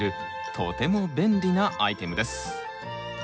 とても便利なアイテムです。